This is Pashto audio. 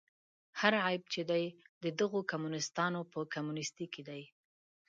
هر عیب چې دی د دغو کمونیستانو په کمونیستي کې دی.